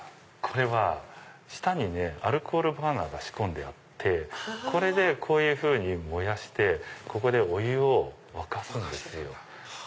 下にアルコールバーナーが仕込んであってこれでこういうふうに燃やしてここでお湯を沸かすんですよ。